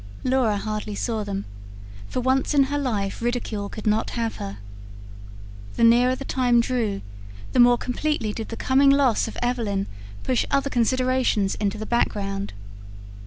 Laura hardly saw them; for once in her life ridicule could not have her. The nearer the time drew, the more completely did the coming loss of Evelyn push other considerations into the background.